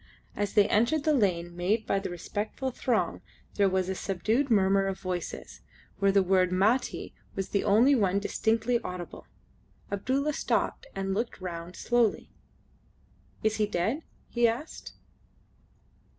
As they entered the lane made by the respectful throng there was a subdued murmur of voices, where the word "Mati" was the only one distinctly audible. Abdulla stopped and looked round slowly. "Is he dead?" he asked.